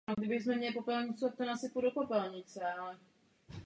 Byl členem premonstrátského řádu na Strahově.